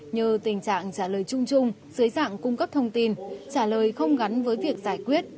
nhờ tình trạng trả lời chung chung dưới dạng cung cấp thông tin trả lời không gắn với việc giải quyết